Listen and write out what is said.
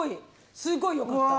すごいよかった。